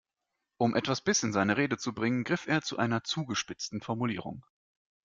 Um etwas Biss in seine Rede zu bringen, griff er zu einer zugespitzten Formulierung.